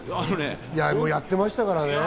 やってましたからね。